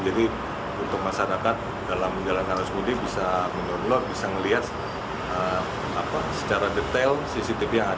jadi untuk masyarakat dalam jalanan arus mudik bisa menerobot bisa melihat secara detail cctv yang ada di jalan